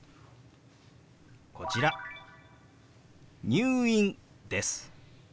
「入院」です。